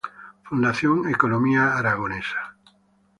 Fundación Economía Aragonesa.